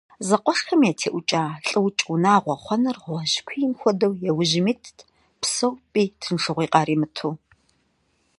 Зэкъуэшхэм ятеӀукӀа «лӀыукӀ унагъуэ» хъуэныр гъуэжькуийм хуэдэу, я ужьым итт, псэхупӀи тыншыгъуи къаримыту.